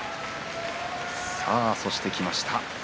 さあ、そしてきました。